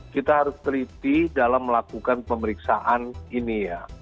kita harus teliti dalam melakukan pemeriksaan ini ya